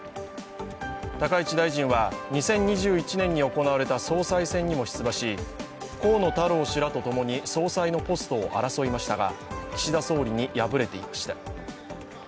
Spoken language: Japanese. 高市大臣は２０２１年に行われた総裁選にも出馬し河野太郎氏らとともに総裁のポストを争いましたが岸田総理に敗れていました。